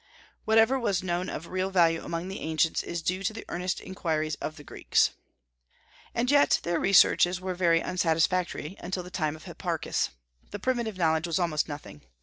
Whatever was known of real value among the ancients is due to the earnest inquiries of the Greeks. And yet their researches were very unsatisfactory until the time of Hipparchus. The primitive knowledge was almost nothing.